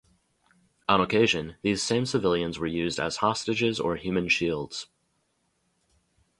On occasion, these same civilians were used as hostages or human shields.